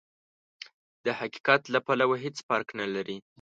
د حقيقت له پلوه هېڅ فرق نه لري.